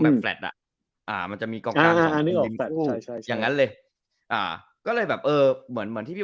แฟลต์อ่ะอ่ามันจะมีกองกลางใช่อย่างนั้นเลยอ่าก็เลยแบบเออเหมือนเหมือนที่พี่